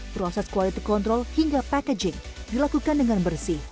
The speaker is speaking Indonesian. proses quality control hingga packaging dilakukan dengan bersih